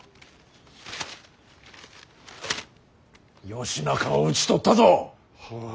義仲を討ち取ったぞ！